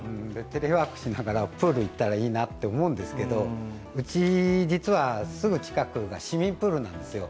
テレワークしながらプール行ったらいいなと思うんですけど、うち、実はすぐ近くが市民プールなんですよ。